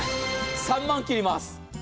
３万切ります。